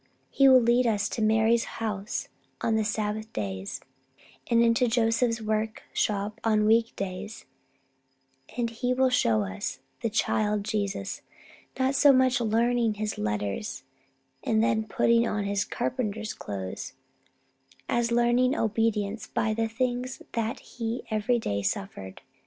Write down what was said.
He will lead us into Mary's house on Sabbath days, and into Joseph's workshop on week days, and he will show us the child Jesus, not so much learning His letters and then putting on His carpenter's clothes, as learning obedience by the things that He every day suffered.